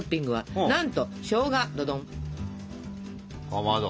かまど。